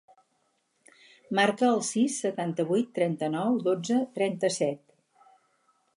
Marca el sis, setanta-vuit, trenta-nou, dotze, trenta-set.